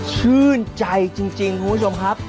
ชื่นใจจริงคุณผู้ชมครับ